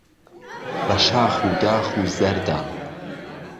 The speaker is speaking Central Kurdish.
بە شاخ و داخ و زەردا